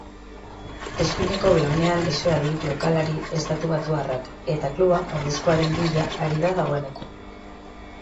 Eskuineko belaunean lesioa du jokalari estatubatuarrak eta kluba ordezkoaren bila ari da dagoeneko.